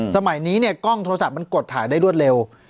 สมัยนี้เนี่ยกล้องโทรศัพท์มันกดถ่ายได้รวดเร็ว